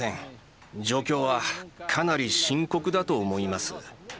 状況はかなり深刻だと思います。